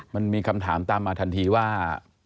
มันมีคำถามตามมาทันทีว่า